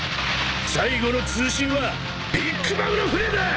最後の通信はビッグ・マムの船だ！